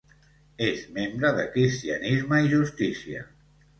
És membre de Cristianisme i Justícia.